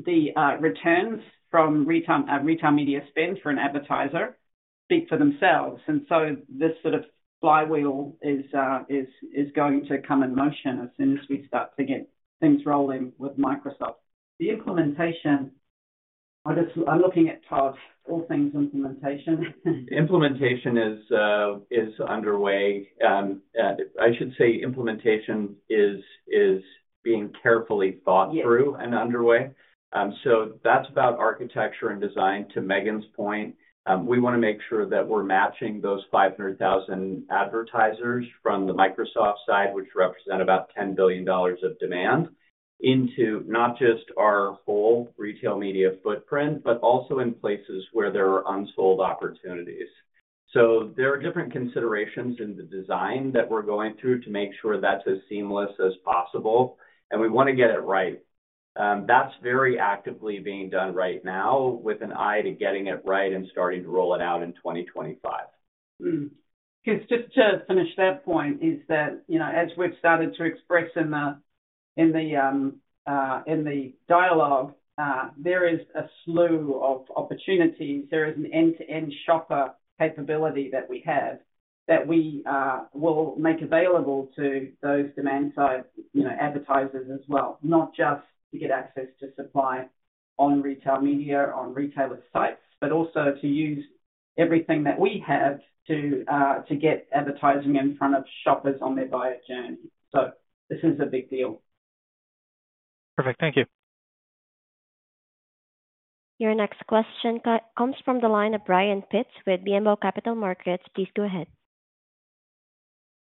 the returns from retail media spend for an advertiser speak for themselves. This sort of flywheel is going to come in motion as soon as we start to get things rolling with Microsoft. The implementation, I'm looking at Todd, all things implementation. Implementation is underway. I should say implementation is being carefully thought through and underway. That's about architecture and design. To Megan's point, we want to make sure that we're matching those 500,000 advertisers from the Microsoft side, which represent about $10 billion of demand, into not just our whole retail media footprint, but also in places where there are unsold opportunities. So there are different considerations in the design that we're going through to make sure that's as seamless as possible. And we want to get it right. That's very actively being done right now with an eye to getting it right and starting to roll it out in 2025. Just to finish that point is that as we've started to express in the dialogue, there is a slew of opportunities. There is an end-to-end shopper capability that we have that we will make available to those demand-side advertisers as well, not just to get access to supply on retail media on retailer sites, but also to use everything that we have to get advertising in front of shoppers on their buyer journey. So this is a big deal. Perfect. Thank you. Your next question comes from the line of Brian Pitz with BMO Capital Markets. Please go ahead.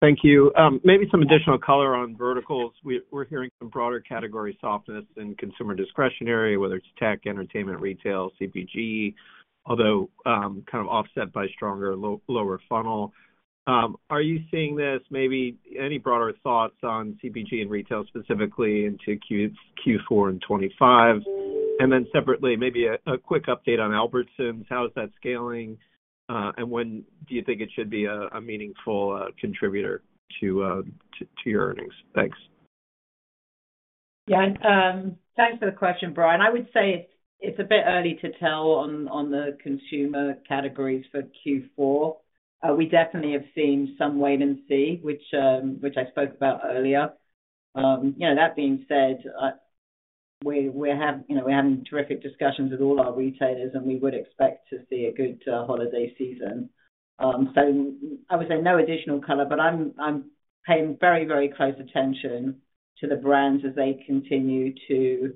Thank you. Maybe some additional color on verticals. We're hearing some broader category softness in consumer discretionary, whether it's tech, entertainment, retail, CPG, although kind of offset by stronger lower funnel. Are you seeing this? Maybe any broader thoughts on CPG and retail specifically into Q4 and 2025? And then separately, maybe a quick update on Albertsons. How is that scaling? And when do you think it should be a meaningful contributor to your earnings? Thanks. Yeah. Thanks for the question, Brian. I would say it's a bit early to tell on the consumer categories for Q4. We definitely have seen some wait and see, which I spoke about earlier. That being said, we're having terrific discussions with all our retailers, and we would expect to see a good holiday season. So I would say no additional color, but I'm paying very, very close attention to the brands as they continue to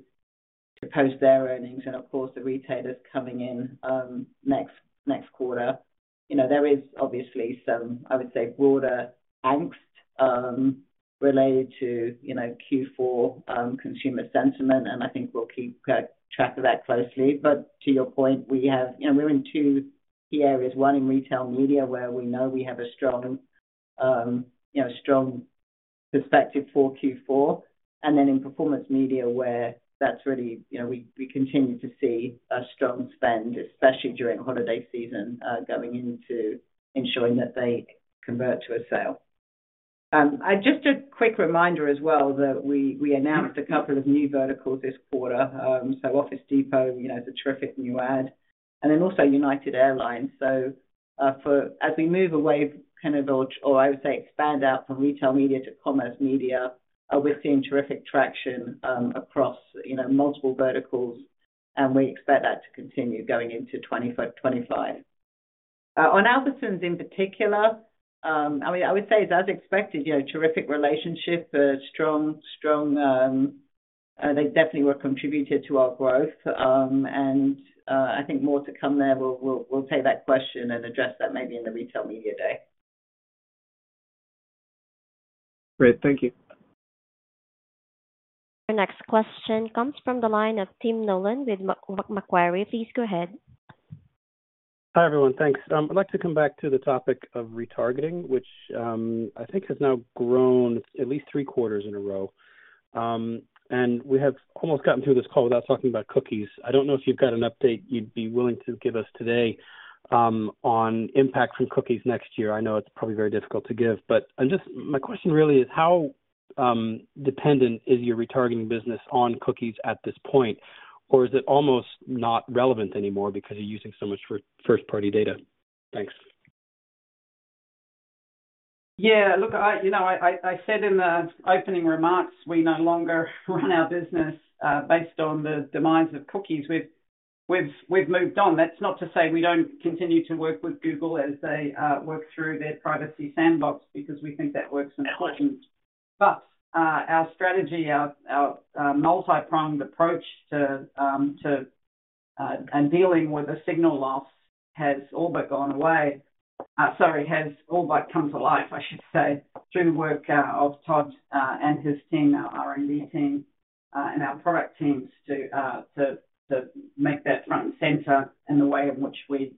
post their earnings and, of course, the retailers coming in next quarter. There is obviously some, I would say, broader angst related to Q4 consumer sentiment, and I think we'll keep track of that closely. But to your point, we're in two key areas, one in retail media where we know we have a strong perspective for Q4, and then in performance media where that's really we continue to see a strong spend, especially during holiday season going into ensuring that they convert to a sale. Just a quick reminder as well that we announced a couple of new verticals this quarter. Office Depot is a terrific new add. United Airlines also. As we move away, kind of, or I would say expand out from retail media to commerce media, we're seeing terrific traction across multiple verticals, and we expect that to continue going into 2025. On Albertsons in particular, I would say it's as expected, terrific relationship, strong. They definitely were contributed to our growth. I think more to come there. We'll take that question and address that maybe in the retail media day. Great. Thank you. Your next question comes from the line of Tim Nollen with Macquarie. Please go ahead. Hi, everyone. Thanks. I'd like to come back to the topic of retargeting, which I think has now grown at least three quarters in a row. And we have almost gotten through this call without talking about cookies. I don't know if you've got an update you'd be willing to give us today on impact from cookies next year. I know it's probably very difficult to give, but my question really is, how dependent is your retargeting business on cookies at this point? Or is it almost not relevant anymore because you're using so much first-party data? Thanks. Yeah. Look, I said in the opening remarks, we no longer run our business based on the demise of cookies. We've moved on. That's not to say we don't continue to work with Google as they work through their Privacy Sandbox because we think that work's important. But our strategy, our multi-pronged approach to dealing with the signal loss has all but gone away. Sorry, has all but come to life, I should say, through the work of Todd and his team, our R&D team, and our product teams to make that front and center in the way in which we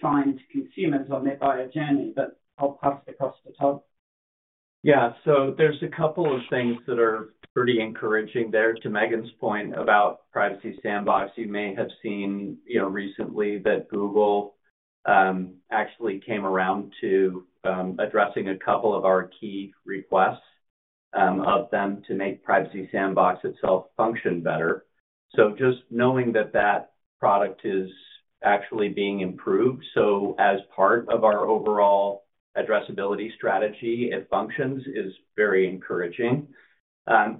find consumers on their buyer journey. But I'll pass it across to Todd. Yeah. So there's a couple of things that are pretty encouraging there to Megan's point about Privacy Sandbox. You may have seen recently that Google actually came around to addressing a couple of our key requests of them to make Privacy Sandbox itself function better. So just knowing that that product is actually being improved as part of our overall addressability strategy, its function is very encouraging.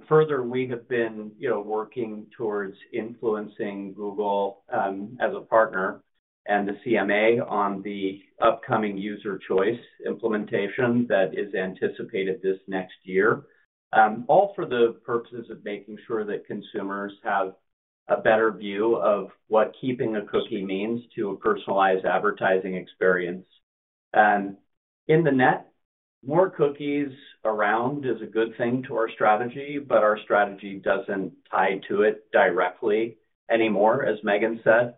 Further, we have been working towards influencing Google as a partner and the CMA on the upcoming user choice implementation that is anticipated this next year, all for the purposes of making sure that consumers have a better view of what keeping a cookie means to a personalized advertising experience. Net net, more cookies around is a good thing to our strategy, but our strategy doesn't tie to it directly anymore, as Megan said.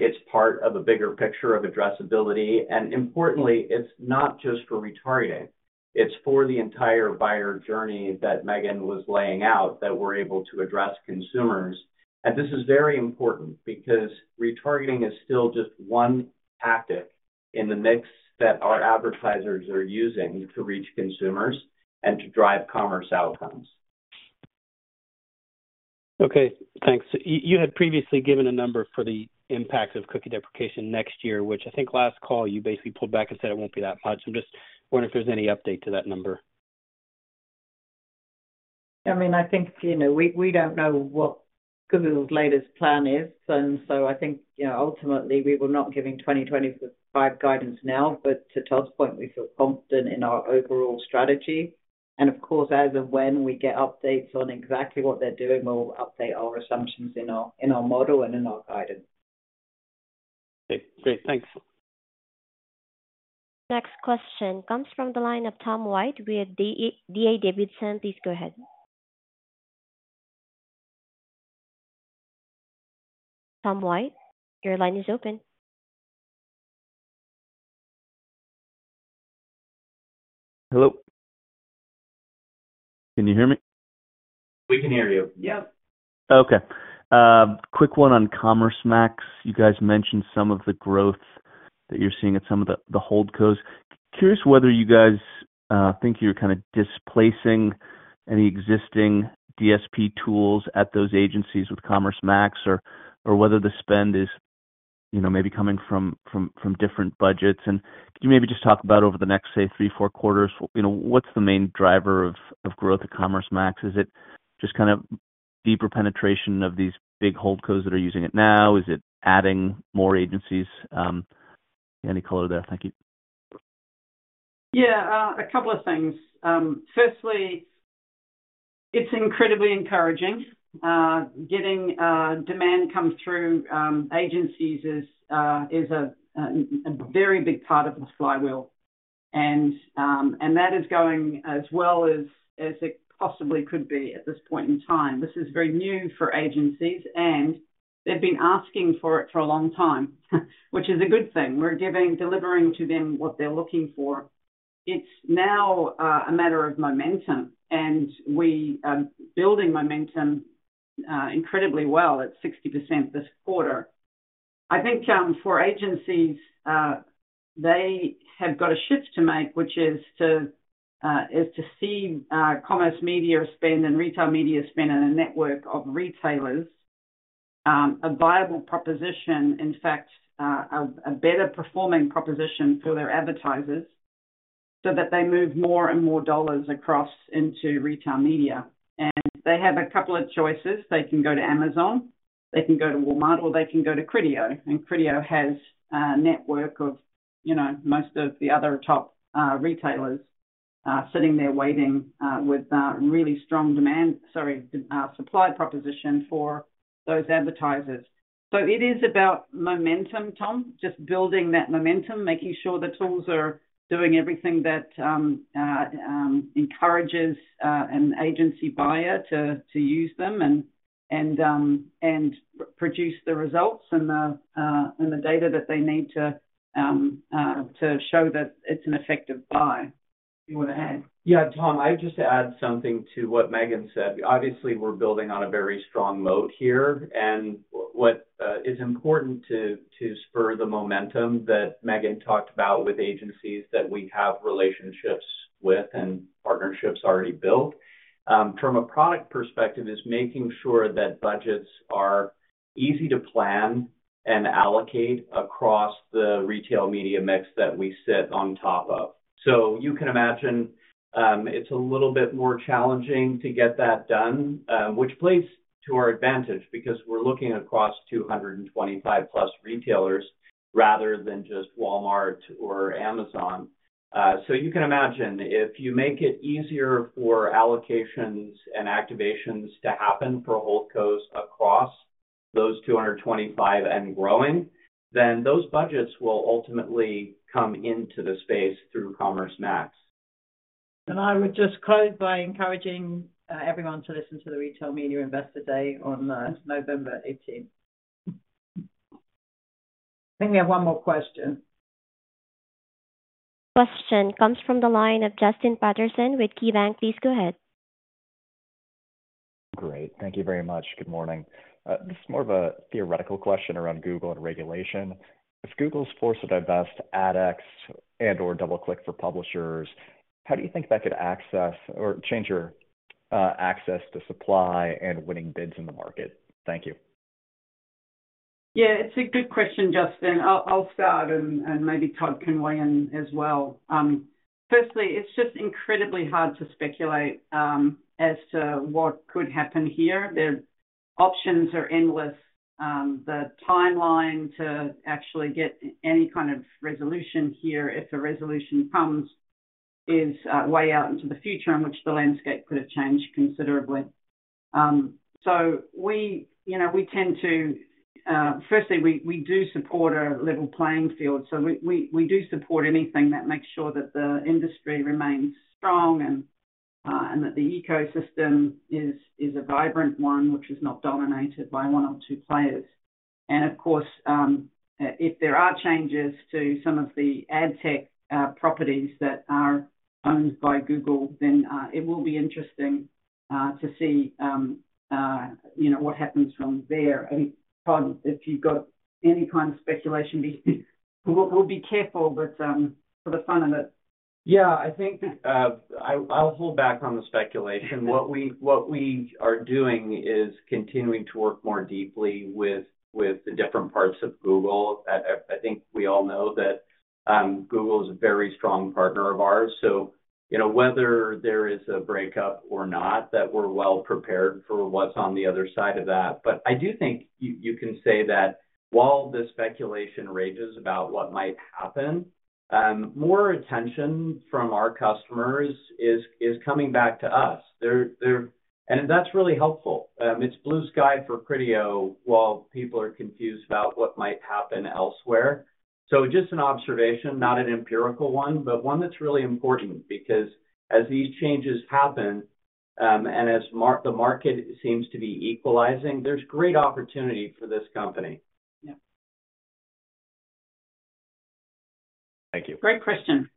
It's part of a bigger picture of addressability, and importantly, it's not just for retargeting. It's for the entire buyer journey that Megan was laying out that we're able to address consumers. And this is very important because retargeting is still just one tactic in the mix that our advertisers are using to reach consumers and to drive commerce outcomes. Okay. Thanks. You had previously given a number for the impact of cookie deprecation next year, which I think last call you basically pulled back and said it won't be that much. I'm just wondering if there's any update to that number. I mean, I think we don't know what Google's latest plan is. And so I think ultimately we were not giving 2025 guidance now, but to Todd's point, we feel confident in our overall strategy. And of course, as and when we get updates on exactly what they're doing, we'll update our assumptions in our model and in our guidance. Okay. Great. Thanks. Next question comes from the line of Tom White. We have D.A. Davidson. Please go ahead. Tom White, your line is open. Hello. Can you hear me? We can hear you. Yep. Okay. Quick one on Commerce Max. You guys mentioned some of the growth that you're seeing at some of the holdcos. Curious whether you guys think you're kind of displacing any existing DSP tools at those agencies with Commerce Max or whether the spend is maybe coming from different budgets. And could you maybe just talk about over the next, say, three, four quarters, what's the main driver of growth at Commerce Max? Is it just kind of deeper penetration of these big holdcos that are using it now? Is it adding more agencies? Any color there? Thank you. Yeah. A couple of things. Firstly, it's incredibly encouraging. Getting demand come through agencies is a very big part of the flywheel. That is going as well as it possibly could be at this point in time. This is very new for agencies, and they've been asking for it for a long time, which is a good thing. We're delivering to them what they're looking for. It's now a matter of momentum, and we are building momentum incredibly well at 60% this quarter. I think for agencies, they have got a shift to make, which is to see commerce media spend and retail media spend and a network of retailers, a viable proposition, in fact, a better performing proposition for their advertisers so that they move more and more dollars across into retail media. And they have a couple of choices. They can go to Amazon, they can go to Walmart, or they can go to Criteo. And Criteo has a network of most of the other top retailers sitting there waiting with really strong demand, sorry, supply proposition for those advertisers. So it is about momentum, Tom, just building that momentum, making sure the tools are doing everything that encourages an agency buyer to use them and produce the results and the data that they need to show that it's an effective buy. You want to add? Yeah, Tom, I would just add something to what Megan said. Obviously, we're building on a very strong moat here. And what is important to spur the momentum that Megan talked about with agencies that we have relationships with and partnerships already built. From a product perspective, it's making sure that budgets are easy to plan and allocate across the retail media mix that we sit on top of. So you can imagine it's a little bit more challenging to get that done, which plays to our advantage because we're looking across 225-plus retailers rather than just Walmart or Amazon. So you can imagine if you make it easier for allocations and activations to happen for holdcos across those 225 and growing, then those budgets will ultimately come into the space through Commerce Max. And I would just close by encouraging everyone to listen to the Retail Media Investor Day on November 18th. I think we have one more question. Question comes from the line of Justin Patterson with KeyBanc. Please go ahead. Great. Thank you very much. Good morning. This is more of a theoretical question around Google and regulation. If Google's forced to divest AdX and/or DoubleClick for Publishers, how do you think that could change your access to supply and winning bids in the market? Thank you. Yeah. It's a good question, Justin. I'll start, and maybe Todd can weigh in as well. Firstly, it's just incredibly hard to speculate as to what could happen here. The options are endless. The timeline to actually get any kind of resolution here, if a resolution comes, is way out into the future, in which the landscape could have changed considerably. So we tend to, firstly, we do support a level playing field. So we do support anything that makes sure that the industry remains strong and that the ecosystem is a vibrant one, which is not dominated by one or two players. And of course, if there are changes to some of the ad tech properties that are owned by Google, then it will be interesting to see what happens from there. I mean, Todd, if you've got any kind of speculation, we'll be careful, but for the fun of it. Yeah. I think I'll hold back on the speculation. What we are doing is continuing to work more deeply with the different parts of Google. I think we all know that Google is a very strong partner of ours. So whether there is a breakup or not, that we're well prepared for what's on the other side of that. But I do think you can say that while the speculation rages about what might happen, more attention from our customers is coming back to us. And that's really helpful. It's blue sky for Criteo while people are confused about what might happen elsewhere. So just an observation, not an empirical one, but one that's really important because as these changes happen and as the market seems to be equalizing, there's great opportunity for this company. Yeah. Thank you. Great question.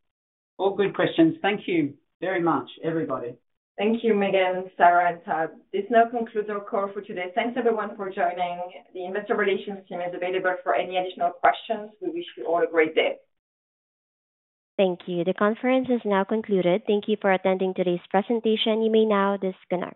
All good questions. Thank you very much, everybody. Thank you, Megan, Sarah, and Todd. This now concludes our call for today. Thanks, everyone, for joining. The investor relations team is available for any additional questions. We wish you all a great day. Thank you. The conference is now concluded. Thank you for attending today's presentation. You may now disconnect.